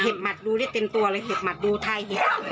เห็บหมัดดูได้เต็มตัวเลยเห็บหมัดดูไทย